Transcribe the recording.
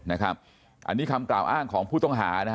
อันนี้คำกล่าวอ้างของผู้ต้องหา